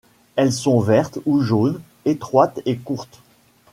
Elles sont vertes ou jaunes, étroites et courtes.